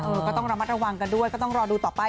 ก็ต้องระมัดระวังกันด้วยก็ต้องรอดูต่อไป